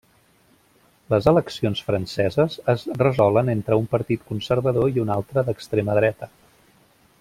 Les eleccions franceses es resolen entre un partit conservador i un altre d'extrema dreta.